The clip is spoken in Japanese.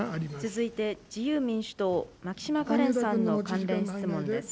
続いて自由民主党、牧島かれんさんの関連質問です。